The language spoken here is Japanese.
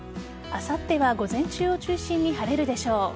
あさっては午前中を中心に晴れるでしょう。